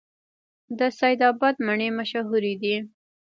د سید اباد مڼې مشهورې دي